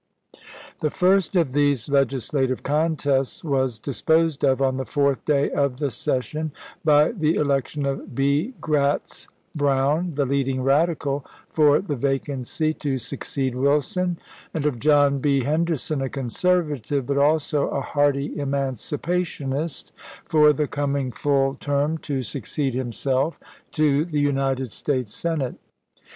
The first of these legislative contests was dis posed of on the fourth day of the session by the election of B. Gratz Brown the leading Radical, for the vacancy, to succeed Wilson, and of John B. Henderson, a Conservative, but also a hearty Emancipationist, for the coming full term, to succeed himself, to the United States Senate.